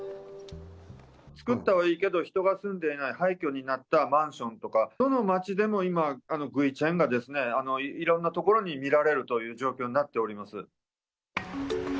造ったはいいけど、人が住んでいない、廃虚になったマンションとか、どの町でも今、グイチェンが、いろんな所に見られるという状況になっております。